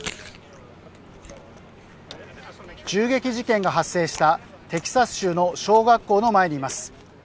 銃撃事件が発生したテキサス州の小学校の前にいます。